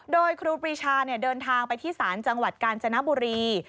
โดยครูปรีชาเดินทางไปที่ศาลจังหวัดกาญจนบุรี